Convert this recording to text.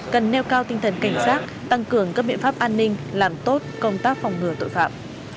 cần nêu cao tinh thần cảnh giác tăng cường các biện pháp an ninh làm tốt công tác phòng ngừa tội phạm